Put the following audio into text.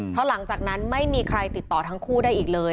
เพราะหลังจากนั้นไม่มีใครติดต่อทั้งคู่ได้อีกเลย